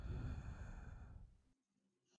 অসুস্থ শরীরে আর হাসিওনা।